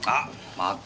また。